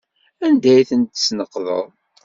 Anda ay tent-tesneqdeḍ?